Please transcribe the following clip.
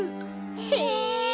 へえ。